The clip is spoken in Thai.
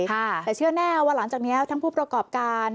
แต่เชื่อแน่ว่าหลังจากนี้ทั้งผู้ประกอบการ